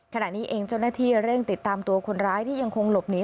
ขณะนี้เองเจ้าหน้าที่เร่งติดตามตัวคนร้ายที่ยังคงหลบหนี